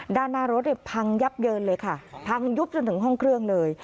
ด้านหน้ารถเนี่ยพังยับเยินเลยค่ะพังยุบจนถึงห้องเครื่องเลย